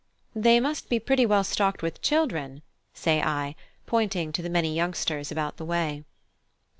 "They must be pretty well stocked with children," said I, pointing to the many youngsters about the way.